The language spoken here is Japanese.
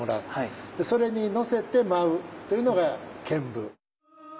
それに乗せて舞うっていうのが「剣舞」。